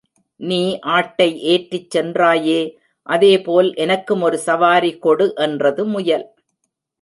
நீ ஆட்டை ஏற்றிச் சென்றாயே, அதேபோல் எனக்கும் ஒரு சவாரி கொடு என்றது முயல்.